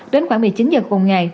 đến khoảng một mươi chín h cùng ngày